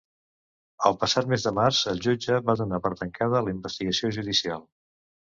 El passat mes de març el jutge va donar per tancada la investigació judicial.